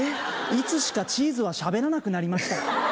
いつしかチーズは喋らなくなりました